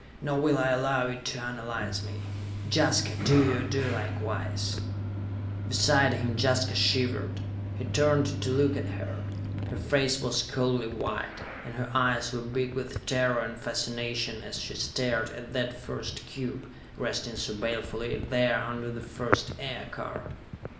"Nor will I allow it to analyze me! Jaska, do you do likewise!" Beside him, Jaska shivered. He turned to look at her. Her face was coldly white, and her eyes were big with terror and fascination as she stared at that first cube, resting so balefully there under the first aircar.